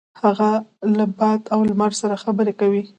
هغه له باد او لمر سره خبرې کوي.